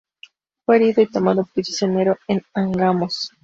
Fue herido y tomado prisionero en Angamos.